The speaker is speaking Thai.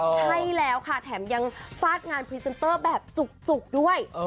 ใช่แล้วค่ะแถมยังฟาดงานพรีเซนเตอร์แบบจุกด้วย